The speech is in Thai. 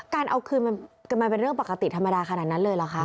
การเอาคืนมันเป็นเรื่องปกติธรรมดาขนาดนั้นเลยเหรอคะ